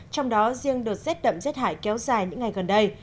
trong đó riêng đợt rét đậm rét hại kéo dài những ngày gần đây